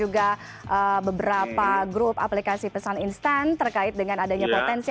grup aplikasi pesan instan terkait dengan adanya potensi